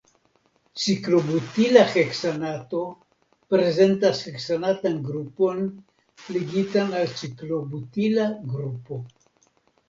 Ciklobutila heksanato prezentas heksanatan grupon ligitan al ciklobutila grupo.